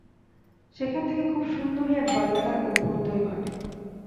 সেখান থেকে খুব সুন্দরী এক বালিকার অভ্যুদয় ঘটে।